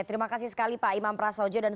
rumah sakitnya jarang